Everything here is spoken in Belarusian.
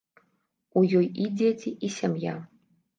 У ёй і дзеці, і сям'я.